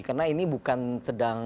karena ini bukan sedang